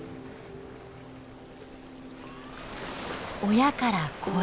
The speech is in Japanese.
親から子へ。